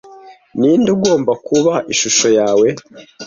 ninde ugomba kuba ishusho yawe